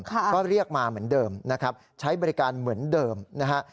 ก็เรียกมาเหมือนเดิมนะครับใช้บริการเหมือนเดิมนะฮะ